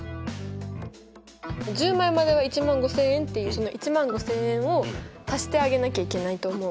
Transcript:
１０枚までは１５０００円っていうその１５０００円を足してあげなきゃいけないと思う。